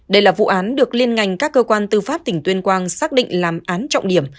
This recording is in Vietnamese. đây là vụ án được liên ngành các cơ quan tư pháp tỉnh tuyên quang xác định làm án trọng điểm